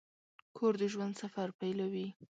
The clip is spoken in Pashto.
کور د ژوند سفر پیلوي.